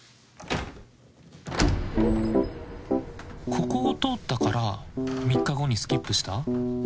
ここを通ったから３日後にスキップした？